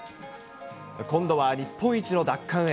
今度は日本一の奪還へ。